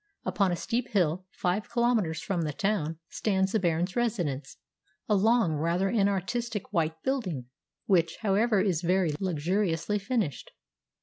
Upon a steep hill, five kilometres from the town, stands the Baron's residence, a long, rather inartistic white building, which, however, is very luxuriously furnished.